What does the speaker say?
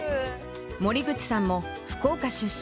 森口さんも福岡出身。